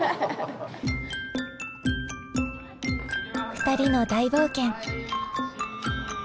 ２人の大冒険。